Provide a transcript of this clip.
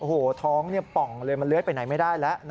โอ้โหท้องป่องเลยมันเลื้อยไปไหนไม่ได้แล้ว